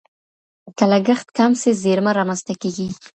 که لګښت کم سي زیرمه رامنځته کیږي.